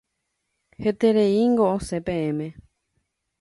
Hetereíngo osẽ peẽme.